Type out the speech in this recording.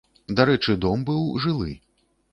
Дарэчы, дом быў жылы.